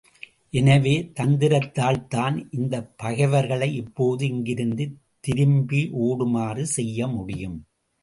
எனவே தந்திரத்தால்தான் இந்தப் பகைவர்களை இப்போது இங்கிருந்து திரும்பி ஓடுமாறு செய்ய முடியும்.